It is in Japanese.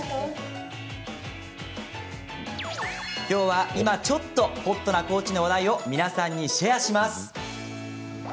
きょうは、今ちょっとホットな高知の話題を皆さんにシェアします。